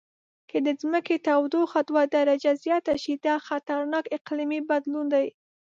که د ځمکې تودوخه دوه درجې زیاته شي، دا خطرناک اقلیمي بدلون دی.